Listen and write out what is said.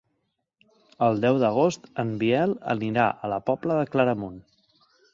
El deu d'agost en Biel anirà a la Pobla de Claramunt.